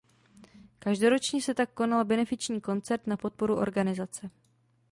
Každoročně se tak konal benefiční koncert na podporu organizace.